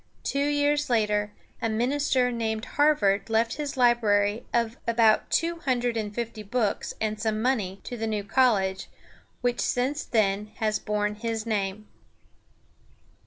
Two years later, a minister named Har´vard left his library of about two hundred and fifty books and some money to the new college, which since then has borne his name.